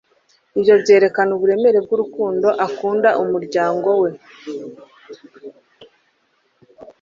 Ibyo byerekana uburemere bwurukundo akunda umuryango we.